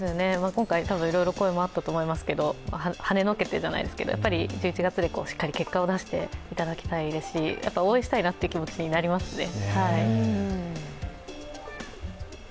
今回、いろいろ声もあったと思いますけど、はねのけてじゃないですけど、１１月でしっかり結果を出していただきたいですし、応援したいなという気持ちになりますね。